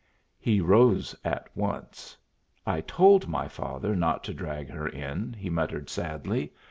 He rose at once. "I told my father not to drag her in," he muttered, sadly.